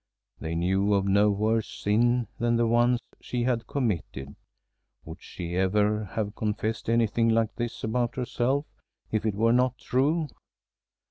They knew of no worse sin than the one she had committed. Would she ever have confessed anything like this about herself if it were not true?